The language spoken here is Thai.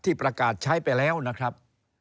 ประกาศใช้ไปแล้วนะครับ